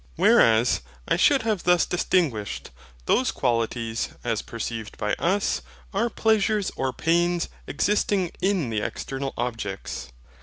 Whereas I should have thus distinguished: those qualities, as perceived by us, are pleasures or pair existing in the external objects.